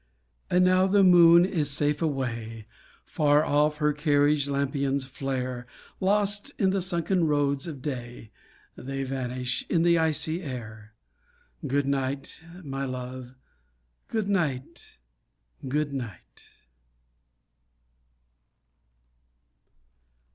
And now the moon is safe away, Far off her carriage lampions flare, Lost in the sunken roads of day, They vanish in the icy air. Good night, my love, good night, Good night.